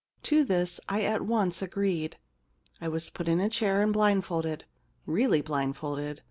To this I at once agreed. * I was put in a chair and blindfolded — really blindfolded.